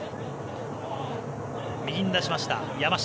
右に出しました、山下。